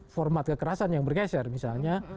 format kekerasan yang bergeser misalnya